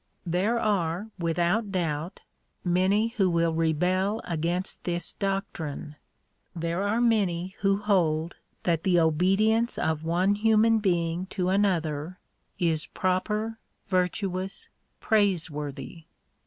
There are, without doubt, many who will rebel against this doctrine. There are many who hold that the obedience of one human being to another is proper, virtuous, praiseworthy.